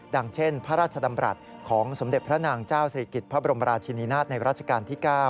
เช่นพระราชดำรัฐของสมเด็จพระนางเจ้าศิริกิจพระบรมราชินินาศในราชการที่๙